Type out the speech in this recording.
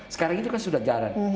sekarang itu sudah jarang